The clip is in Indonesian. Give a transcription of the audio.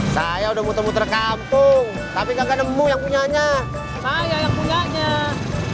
saya udah muter muter kampung tapi nggak nemu yang punya nya saya baru tahu pak